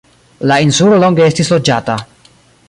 La insulo longe estis loĝata.